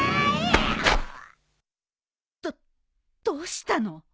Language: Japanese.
どどうしたの？